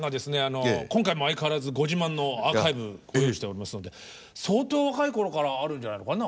今回も相変わらずご自慢のアーカイブご用意しておりますので相当若い頃からあるんじゃないのかな。